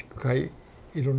いろんな。